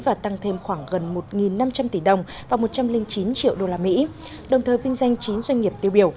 và tăng thêm khoảng gần một năm trăm linh tỷ đồng và một trăm linh chín triệu usd đồng thời vinh danh chín doanh nghiệp tiêu biểu